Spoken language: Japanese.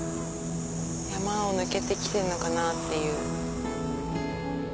山を抜けて来てんのかなっていう。